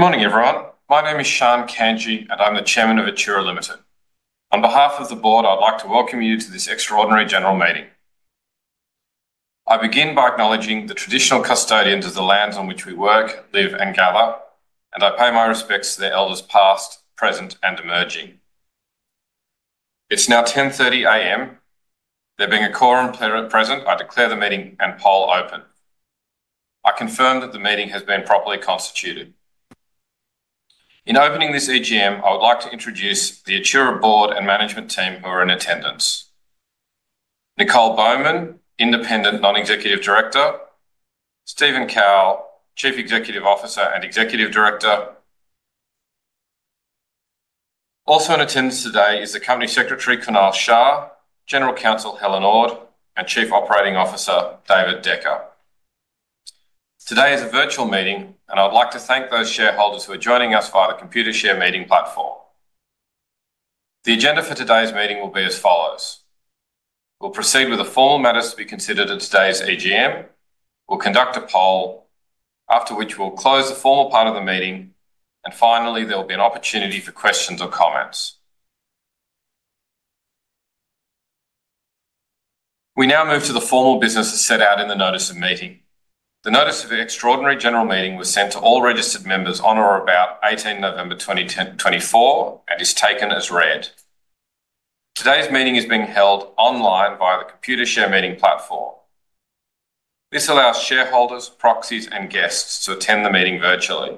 Good morning, everyone. My name is Shan Kanji, and I'm the Chairman of Atturra Limited. On behalf of the board, I'd like to welcome you to this extraordinary general meeting. I begin by acknowledging the traditional custodians of the lands on which we work, live, and gather, and I pay my respects to their elders past, present, and emerging. It's now 10:30 A.M. There being a quorum present, I declare the meeting and poll open. I confirm that the meeting has been properly constituted. In opening this EGM, I would like to introduce the Atturra board and management team who are in attendance. Nicole Bowman, Independent Non-Executive Director. Stephen Kowal, Chief Executive Officer and Executive Director. Also in attendance today is the Company Secretary, Kunal Shah, General Counsel, Helen Ord, and Chief Operating Officer, David Decker. Today is a virtual meeting, and I'd like to thank those shareholders who are joining us via the Computershare meeting platform. The agenda for today's meeting will be as follows. We'll proceed with the formal matters to be considered at today's EGM. We'll conduct a poll, after which we'll close the formal part of the meeting, and finally, there will be an opportunity for questions or comments. We now move to the formal business as set out in the notice of meeting. The notice of extraordinary general meeting was sent to all registered members on or about 18 November 2024 and is taken as read. Today's meeting is being held online via the Computershare meeting platform. This allows shareholders, proxies, and guests to attend the meeting virtually.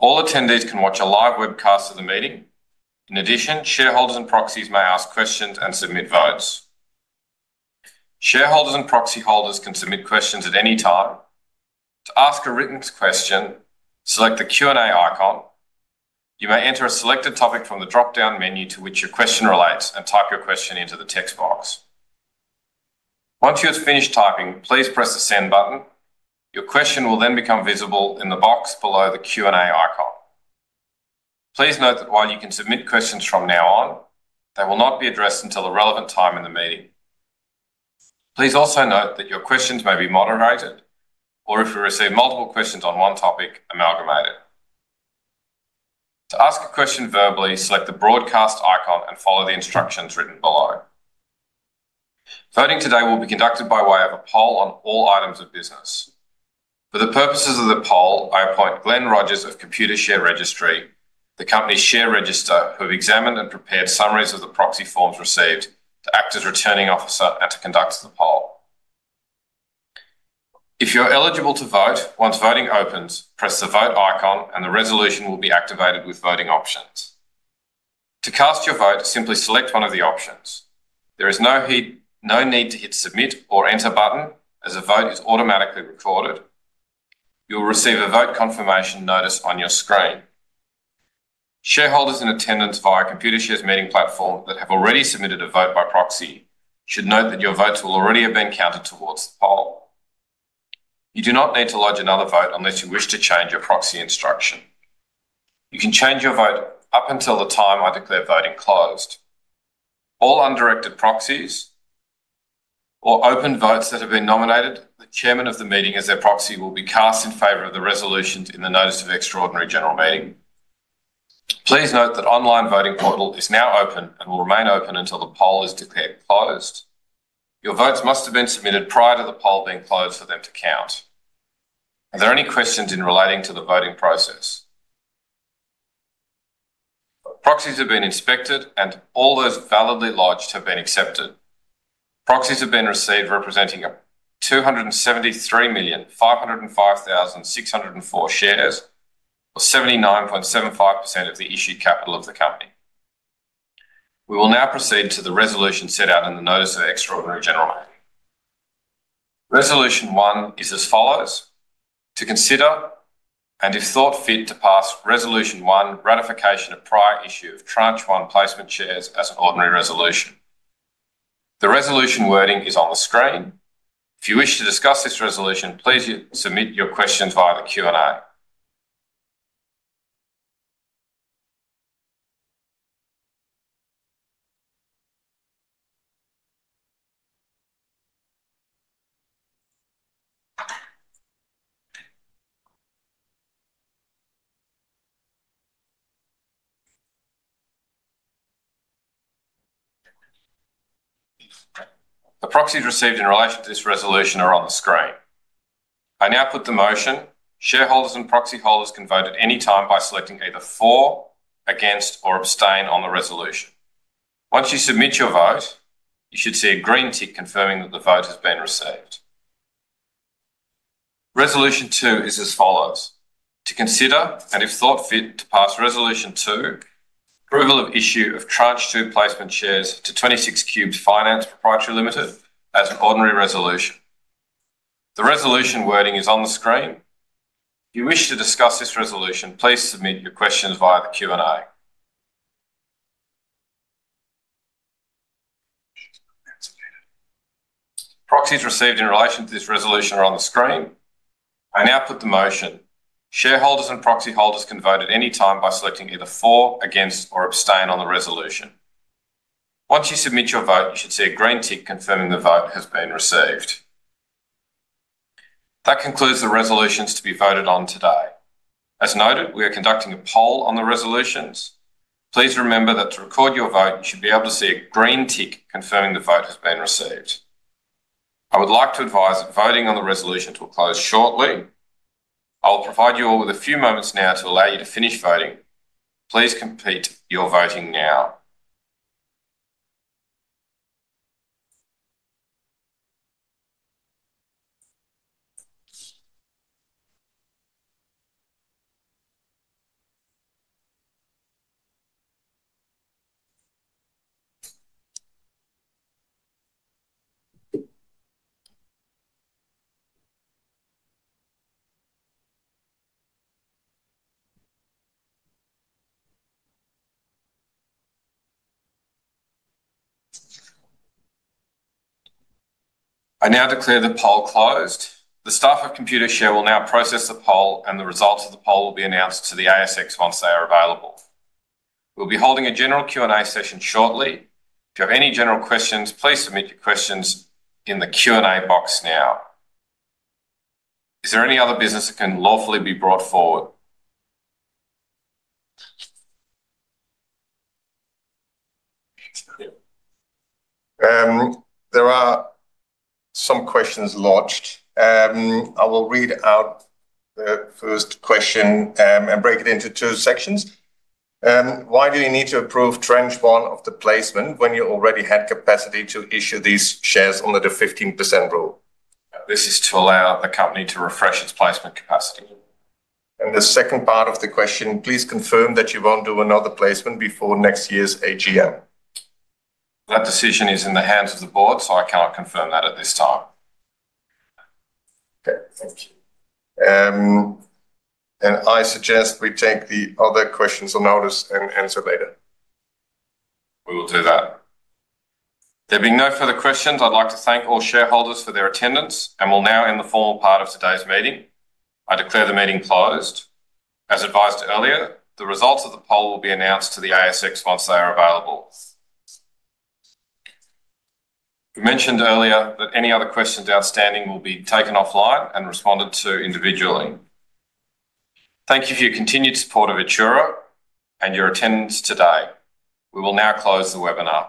All attendees can watch a live webcast of the meeting. In addition, shareholders and proxies may ask questions and submit votes. Shareholders and proxy holders can submit questions at any time. To ask a written question, select the Q&A icon. You may enter a selected topic from the drop-down menu to which your question relates and type your question into the text box. Once you have finished typing, please press the Send button. Your question will then become visible in the box below the Q&A icon. Please note that while you can submit questions from now on, they will not be addressed until a relevant time in the meeting. Please also note that your questions may be moderated or, if you receive multiple questions on one topic, amalgamated. To ask a question verbally, select the broadcast icon and follow the instructions written below. Voting today will be conducted by way of a poll on all items of business. For the purposes of the poll, I appoint Glenn Rogers of Computershare Registry, the Company's share register, who have examined and prepared summaries of the proxy forms received to act as returning officer and to conduct the poll. If you're eligible to vote, once voting opens, press the vote icon and the resolution will be activated with voting options. To cast your vote, simply select one of the options. There is no need to hit Submit or Enter button as a vote is automatically recorded. You'll receive a vote confirmation notice on your screen. Shareholders in attendance via Computershare's meeting platform that have already submitted a vote by proxy should note that your votes will already have been counted towards the poll. You do not need to lodge another vote unless you wish to change your proxy instruction. You can change your vote up until the time I declare voting closed. All undirected proxies or open votes that have been nominated the Chairman of the meeting as their proxy will be cast in favor of the resolutions in the Notice of Extraordinary General Meeting. Please note that the online voting portal is now open and will remain open until the poll is declared closed. Your votes must have been submitted prior to the poll being closed for them to count. Are there any questions in relation to the voting process? Proxies have been inspected and all those validly lodged have been accepted. Proxies have been received representing 273,505,604 shares, or 79.75% of the issued capital of the company. We will now proceed to the resolution set out in the Notice of Extraordinary General Meeting. Resolution One is as follows: To consider and, if thought fit, to pass Resolution One: Ratification of Prior Issue of Tranche One Placement Shares as an Ordinary Resolution. The resolution wording is on the screen. If you wish to discuss this resolution, please submit your questions via the Q&A. The proxies received in relation to this resolution are on the screen. I now put the motion: Shareholders and proxy holders can vote at any time by selecting either For, Against, or Abstain on the resolution. Once you submit your vote, you should see a green tick confirming that the vote has been received. Resolution Two is as follows: To consider and, if thought fit, to pass Resolution Two: Approval of Issue of Tranche Two Placement Shares to 263 Finance Pty Limited as an Ordinary Resolution. The resolution wording is on the screen. If you wish to discuss this resolution, please submit your questions via the Q&A. Proxies received in relation to this resolution are on the screen. I now put the motion: Shareholders and proxy holders can vote at any time by selecting either For, Against, or Abstain on the resolution. Once you submit your vote, you should see a green tick confirming the vote has been received. That concludes the resolutions to be voted on today. As noted, we are conducting a poll on the resolutions. Please remember that to record your vote, you should be able to see a green tick confirming the vote has been received. I would like to advise that voting on the resolutions will close shortly. I will provide you all with a few moments now to allow you to finish voting. Please complete your voting now. I now declare the poll closed. The staff of Computershare will now process the poll, and the results of the poll will be announced to the ASX once they are available. We'll be holding a general Q&A session shortly. If you have any general questions, please submit your questions in the Q&A box now. Is there any other business that can lawfully be brought forward? There are some questions lodged. I will read out the first question and break it into two sections. Why do you need to approve Tranche One of the placement when you already had capacity to issue these shares under the 15% rule? This is to allow the company to refresh its placement capacity. The second part of the question: Please confirm that you won't do another placement before next year's AGM? That decision is in the hands of the board, so I cannot confirm that at this time. Okay. Thank you. And I suggest we take the other questions on notice and answer later. We will do that. There being no further questions, I'd like to thank all shareholders for their attendance and will now end the formal part of today's meeting. I declare the meeting closed. As advised earlier, the results of the poll will be announced to the ASX once they are available. You mentioned earlier that any other questions outstanding will be taken offline and responded to individually. Thank you for your continued support of Atturra and your attendance today. We will now close the webinar.